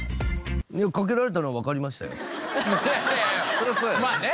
そりゃそうやね。